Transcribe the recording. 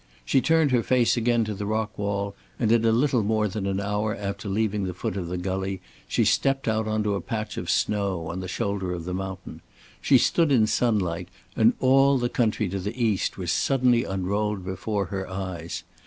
She turned her face again to the rock wall and in a little more than an hour after leaving the foot of the gully she stepped out on to a patch of snow on the shoulder of the mountain. She stood in sunlight, and all the country to the east was suddenly unrolled before her eyes.